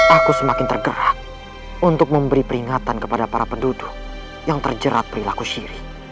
aku semakin tergerak untuk memberi peringatan kepada para penduduk yang terjerat perilaku syirik